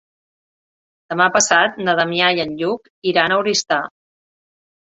Demà passat na Damià i en Lluc iran a Oristà.